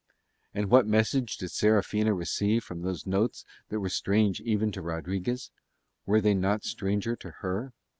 And what message did Serafina receive from those notes that were strange even to Rodriguez? Were they not stranger to her?